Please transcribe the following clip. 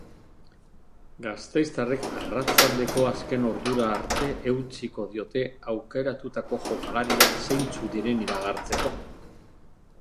Gasteiztarrek arratsaldeko azken ordura arte eutsiko diote aukeratutako jokalariak zeintzuk diren iragartzeko.